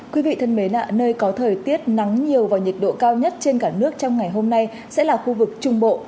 quý vị thân mến ạ nơi có thời tiết nắng nhiều và nhiệt độ cao nhất trên cả nước trong ngày hôm nay sẽ là khu vực trung bộ